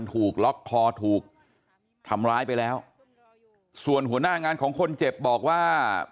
ถูกล็อกคอถูกทำร้ายไปแล้วส่วนหัวหน้างานของคนเจ็บบอกว่า